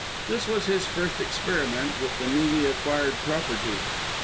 This was his first experiment with the newly acquired property.